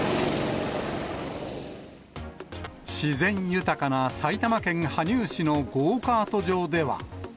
自然豊かな埼玉県羽生市のゴーカート場では。